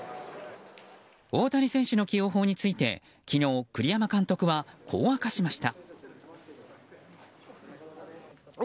大谷選手の起用法について昨日、栗山監督はこう明かしました。